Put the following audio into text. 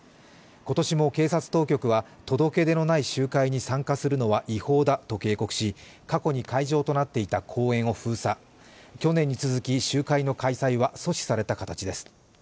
今年も警察当局は届け出のない集会に参加するのは違法だと警告し、過去に会場となっていた公園を封鎖、去年に続き、集会の開催は阻止された形です。